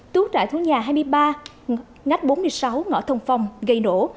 tuốt trại thuốc nhà hai mươi ba ngách bốn mươi sáu ngõ thông phong gây nổ